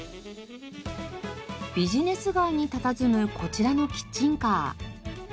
ビジネス街にたたずむこちらのキッチンカー。